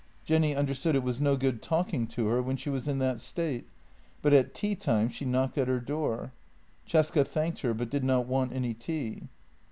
Jenny understood it was no good talking to her when she was in that state, but at tea time she knocked at her door. Cesca thanked her, but did not want any tea.